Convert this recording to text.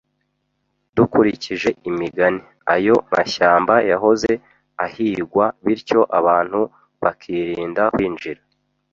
Dukurikije imigani, ayo mashyamba yahoze ahigwa, bityo abantu bakirinda kwinjira.